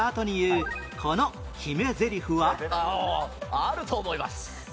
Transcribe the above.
「あると思います」。